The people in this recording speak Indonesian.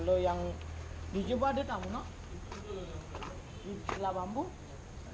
lalu yang dijemput ada tamu bukan